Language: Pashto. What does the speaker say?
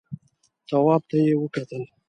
تواب ته يې وکتل.